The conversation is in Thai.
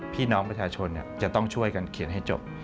พี่น้องประชาชนจะต้องช่วยกันเขียนให้จบ